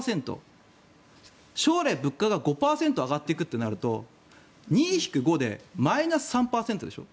例えば、名目で２％将来、物価が５％上がっていくとなると２引く５でマイナス３％でしょ。